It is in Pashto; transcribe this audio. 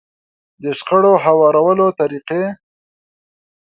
د شخړو هوارولو طريقې.